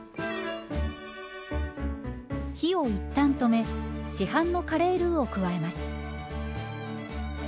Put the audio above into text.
火を一旦止め市販のカレールウを加えます。